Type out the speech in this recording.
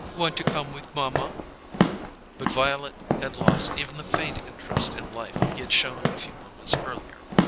"Want to come with mamma?" But Violet had lost even the faint interest in life he had shown a few moments earlier.